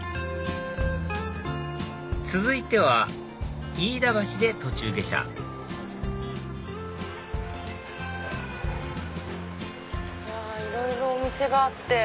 続いては飯田橋で途中下車いろいろお店があって。